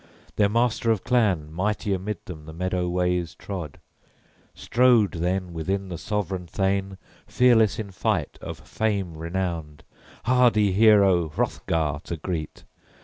Their master of clan mighty amid them the meadow ways trod. Strode then within the sovran thane fearless in fight, of fame renowned, hardy hero, Hrothgar to greet.